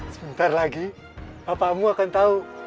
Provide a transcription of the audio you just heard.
sebentar lagi papamu akan tau